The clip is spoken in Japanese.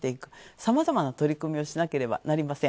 さまざまな取り組みをしなければなりません。